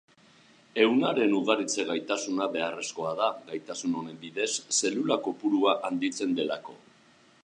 Ehunaren ugaritze-gaitasuna beharrezkoa da, gaitasun honen bidez zelula-kopurua handitzen delako.